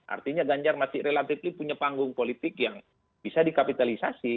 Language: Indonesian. artinya ganjar masih relatively punya panggung politik yang bisa dikapitalisasi